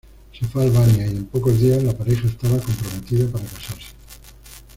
Se fue a Albania y en pocos días la pareja estaba comprometida para casarse.